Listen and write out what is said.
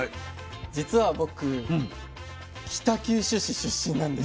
実は僕北九州市出身なんです。